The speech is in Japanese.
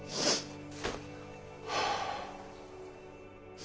はあ。